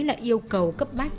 là yêu cầu cấp bách